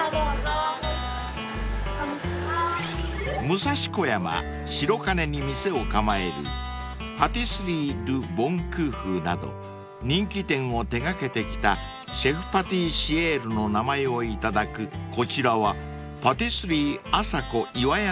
［武蔵小山白金に店を構えるパティスリィドゥ・ボン・クーフゥなど人気店を手掛けてきたシェフパティシエールの名前を頂くこちらは］